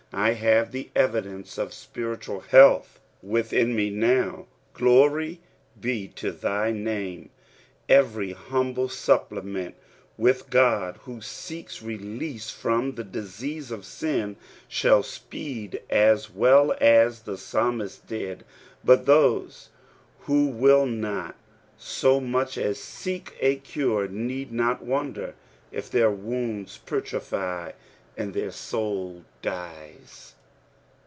I have the evidence of spiritual health within me now: glory be to thy name I Every humble suppliant with God who seeks release from the disease of sin, shall speed as well aa the Psalmist did, but those who will not so much as seek a cure, need not wonder if their wounds putrefy and their soul dies.